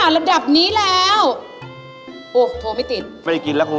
ระดับนี้แล้วโอ้โทรไม่ติดไม่ได้กินแล้วครู